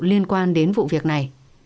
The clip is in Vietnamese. liên quan đến vụ việc này